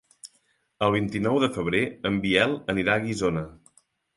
El vint-i-nou de febrer en Biel anirà a Guissona.